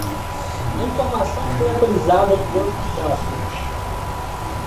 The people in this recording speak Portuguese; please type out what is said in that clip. A informação foi atualizada no banco de dados.